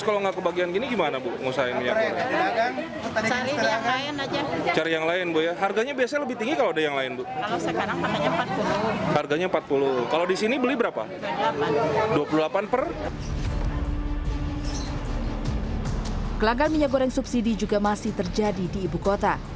kelangkaan minyak goreng subsidi juga masih terjadi di ibu kota